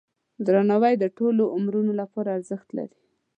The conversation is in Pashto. درناوی د ټولو عمرونو لپاره ارزښت لري.